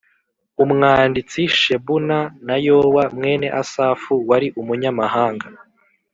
umwanditsi Shebuna, na Yowa mwene Asafu wari umunyamahanga,